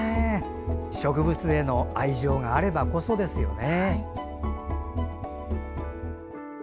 植物への愛情があればこそですよね。